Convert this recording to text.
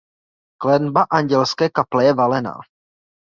Klenba Andělské kaple je valená.